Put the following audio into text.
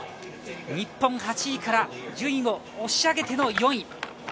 日本８位から順位を押し上げての４位。